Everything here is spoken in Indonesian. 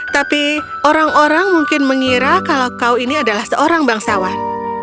tapi orang orang mungkin mengira kalau kau ini adalah seorang bangsawan